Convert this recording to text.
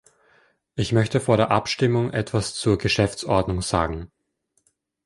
Ich möchte vor der Abstimmung etwas zur Geschäftsordnung sagen.